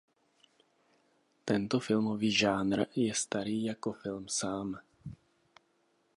Tento filmový žánr je starý jako film sám.